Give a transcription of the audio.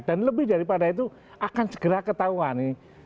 dan lebih daripada itu akan segera ketahuan